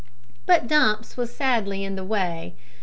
But Dumps was sadly in the way.